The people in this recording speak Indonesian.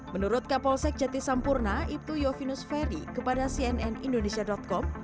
menurut kapolsek jati sampurna ibtu yofinus ferry kepada cnn indonesia com